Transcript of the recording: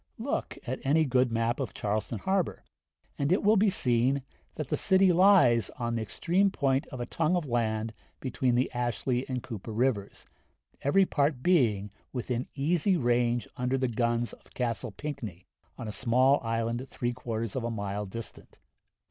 Look at any good map of Charleston harbor, and it will be seen that the city lies on the extreme point of a tongue of land between the Ashley and Cooper rivers, every part being within easy range under the guns of Castle Pinckney, on a small island, three quarters of a mile distant.